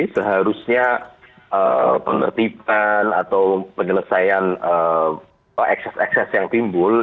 seharusnya penertiban atau penyelesaian akses akses yang timbul